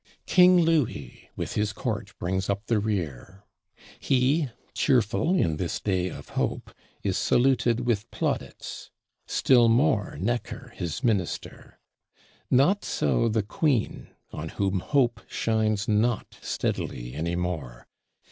King Louis with his Court brings up the rear: he cheerful, in this day of hope, is saluted with plaudits: still more Necker his Minister. Not so the Queen, on whom hope shines not steadily any more.